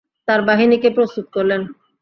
তার বাহিনীকে প্রস্তুত করলেন।